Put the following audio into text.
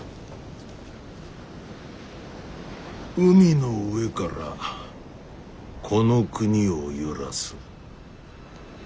海の上からこの国を揺らす。